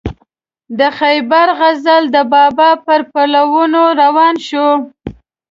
د خیبر غزل د بابا پر پلونو روان شو.